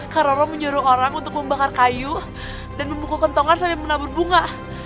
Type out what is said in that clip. kak roro menyuruh orang untuk membakar kayu dan membuku kentongan sampai menabur bunga